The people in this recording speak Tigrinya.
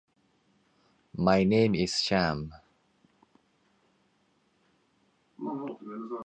እቲ ተቖጻጻሪ፡ ናይ ብሓቂ ሓያል ዝኾነት ማሺን ዓዲጉ።